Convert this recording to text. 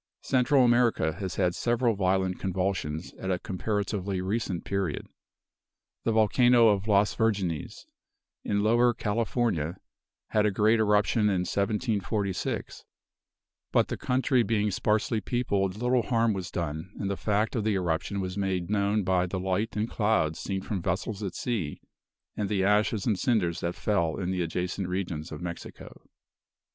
Central America has had several violent convulsions at a comparatively recent period. The volcano of Las Virgines, in Lower California, had a great eruption in 1746; but the country being sparsely peopled, little harm was done, and the fact of the eruption was made known by the light and clouds seen from vessels at sea, and the ashes and cinders that fell in the adjacent regions of Mexico.